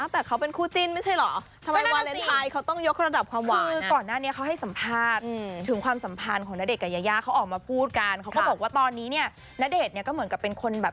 แต่เขาเป็นคู่จิ้นไม่ใช่หรอ